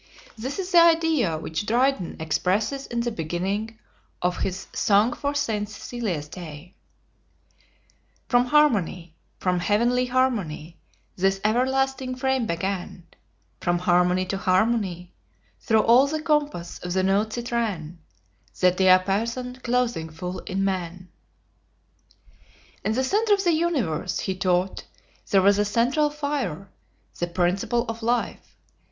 This is the idea which Dryden expresses in the beginning of his "Song for St. Cecilia's Day": "From harmony, from heavenly harmony This everlasting frame began; From harmony to harmony Through all the compass of the notes it ran, The Diapason closing full in Man." In the centre of the universe (he taught) there was a central fire, the principle of life.